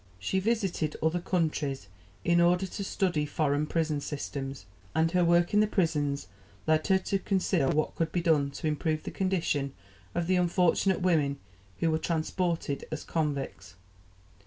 She visited other countries in order to study foreign prison systems, and her work in the prisons led her to consider what could be done to improve the condition of the unfortunate women who were transported as convicts.